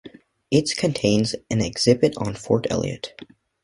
Its contains an exhibit on Fort Elliott.